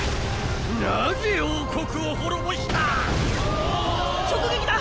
なぜ王国を滅ぼした⁉直撃だ！